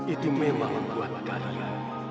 itu memang buat gaya